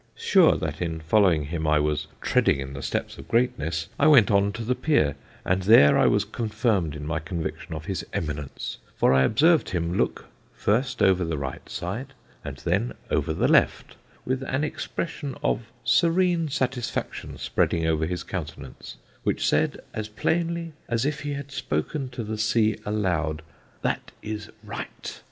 Sure that in following him, I was treading in the steps of greatness, I went on to the Pier, and there I was confirmed in my conviction of his eminence; for I observed him look first over the right side and then over the left, with an expression of serene satisfaction spreading over his countenance, which said, as plainly as if he had spoken to the sea aloud, 'That is right.